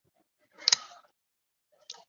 官至漕运总督。